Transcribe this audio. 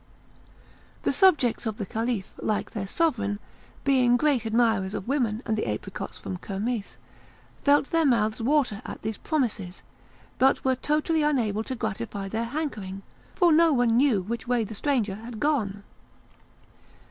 The subjects of the Caliph, like their Sovereign, being great admirers of women and apricots from Kirmith, felt their mouths water at these promises, but were totally unable to gratify their hankering, for no one knew which way the stranger had gone.